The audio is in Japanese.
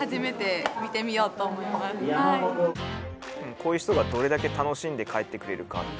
こういう人がどれだけ楽しんで帰ってくれるか。